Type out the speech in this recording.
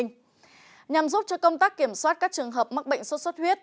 nhằm giúp cho công tác kiểm soát các trường hợp mắc bệnh sốt xuất huyết